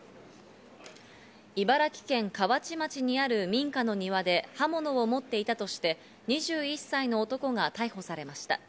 茨城県河内町にある民家の庭で刃物を持っていたとして２１歳の男が逮捕されました。